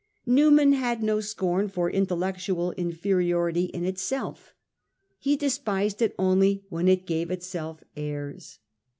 Newman had no scorn for intellectual inferiority in itself ; he despised it only when it gave itself airs.